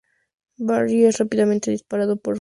Barry es rápidamente disparado por un francotirador.